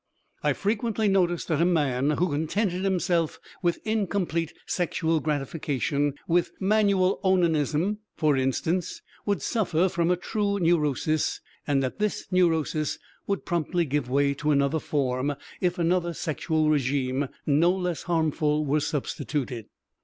I frequently noticed that a man who contented himself with incomplete sexual gratification, with manual ononism, for instance, would suffer from a true neurosis, and that this neurosis would promptly give way to another form, if another sexual regime no less harmful were substituted.